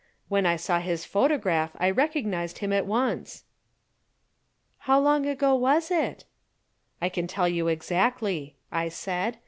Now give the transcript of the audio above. When I saw his photograph I recognized him at once." "How long ago was it?" "I can tell you exactly," I said.